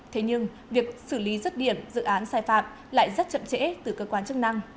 thế nhưng việc xử lý rứt điểm dự án sai phạm lại rất chậm trễ từ cơ quan chức năng